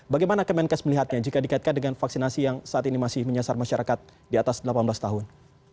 bagaimana kemenkes melihatnya jika dikaitkan dengan vaksinasi yang saat ini masih menyasar masyarakat di atas delapan belas tahun